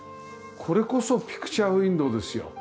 これこそピクチャーウィンドーですよ。